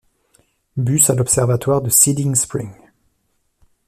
Bus à l'Observatoire de Siding Spring.